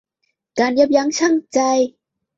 การยับยั้งชั่งใจ